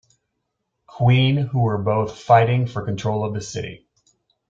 Queen who were both fighting for control of the city.